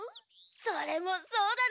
それもそうだね！